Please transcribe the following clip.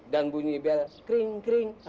dan bunyi bel kering kering